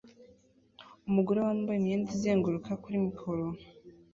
Umugore wambaye imyenda izenguruka kuri mikoro